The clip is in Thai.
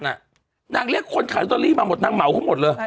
นางเรียกคนขายลอตเตอรี่มาหมดนางเหมาเขาหมดเลย